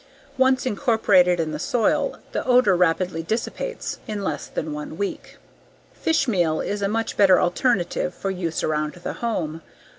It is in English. Once incorporated in the soil, the odor rapidly dissipates. In less than one week. Fish meal is a much better alternative for use around the home.